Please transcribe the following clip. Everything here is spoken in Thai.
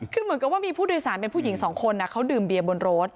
คือเหมือนกับว่ามีผู้โดยสารเป็นผู้หญิงสองคนเขาดื่มเบียร์บนรถ